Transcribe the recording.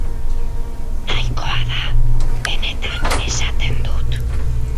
Nahikoa da, benetan esaten dut!